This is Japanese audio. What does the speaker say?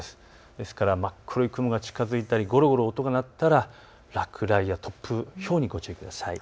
ですから真っ黒い雲が近づいたりごろごろ音が鳴ったら落雷や突風、ひょうにご注意ください。